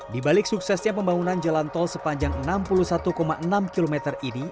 di balik suksesnya pembangunan jalan tol sepanjang enam puluh satu enam km ini